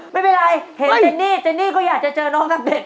ไม่เป็นไรเห็นเจนนี่เจนนี่ก็อยากจะเจอน้องอัปเดตอีกครั้งหนึ่ง